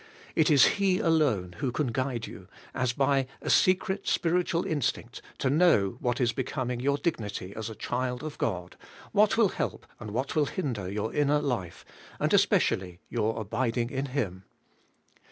It is He alone who can guide you, as by a secret spiritual instinct, to know what is becoming your dignity as a child of God, what will help and what will hinder your inner life, and especially your abiding in Him.